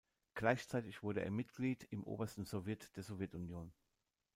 Gleichzeitig wurde er Mitglied im Obersten Sowjet der Sowjetunion.